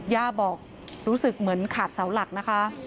ย่าบอกรู้สึกเหมือนขาดเสาหลักนะคะ